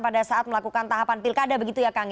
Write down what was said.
pada saat melakukan tahapan pilkada begitu ya kang